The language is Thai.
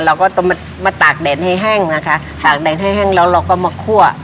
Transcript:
เราก็ต้องมาตากแดดให้แห้งนะคะตากแดดให้แห้งแล้วเราก็มาคั่ว